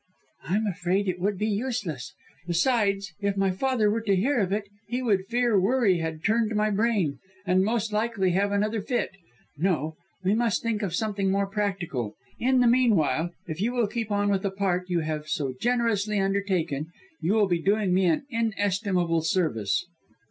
"I'm afraid it would be useless. Besides, if my father were to hear of it, he would fear worry had turned my brain, and most likely have another fit. No, we must think of something more practical. In the meanwhile, if you will keep on with the part, you have so generously undertaken, you will be doing me an inestimable service."